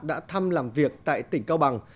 đã thăm làm việc tại tây nguyên